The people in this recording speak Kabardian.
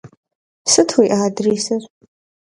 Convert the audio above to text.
Sıt vui adrêsır?